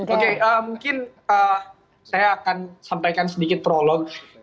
oke mungkin saya akan sampaikan sedikit prolog